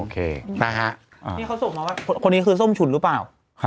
นี่เขาส่งมาว่าคนนี้คือส้มฉุนหรือเปล่า